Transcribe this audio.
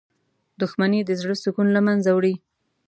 • دښمني د زړه سکون له منځه وړي.